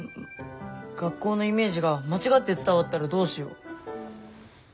学校のイメージが間違って伝わったらどうしよう。